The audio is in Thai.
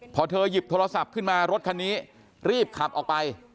พอเธอหยิบโทรศัพท์ขึ้นมารถคันนี้รีบขับออกไป